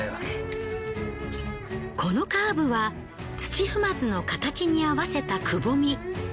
このカーブは土踏まずの形に合わせたくぼみ。